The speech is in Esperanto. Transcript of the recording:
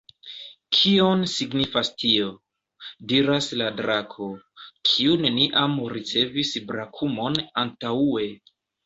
"Kion signifas tio?" diras la drako, kiu neniam ricevis brakumon antaŭe.